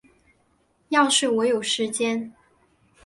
要是我有时间